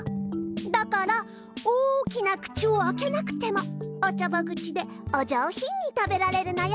だから大きな口をあけなくてもおちょぼ口でお上ひんに食べられるのよ。